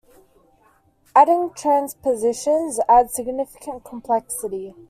Adding transpositions adds significant complexity.